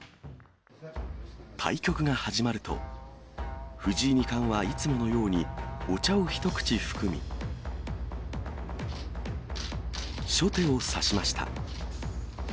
対局が始まると、藤井二冠はいつものようにお茶を一口含み、初手を指しました。